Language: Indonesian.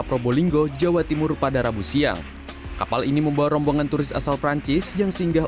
probolinggo jawa timur pada rabu siang kapal ini membawa rombongan turis asal perancis yang singgah